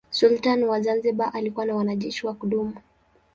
Sultani wa Zanzibar alikuwa na wanajeshi wa kudumu.